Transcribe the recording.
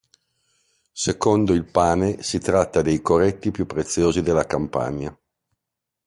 Secondo il Pane si tratta dei coretti più preziosi della Campania.